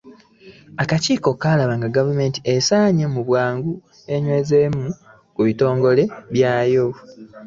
Akakiiko kalaba nga Gavumenti esaanye enyweze mu bwangu ebitongole byayo.